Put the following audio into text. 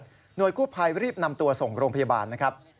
หน่วยกู้ภัยรีบนำตัวส่งโรงพยาบาลนะครับ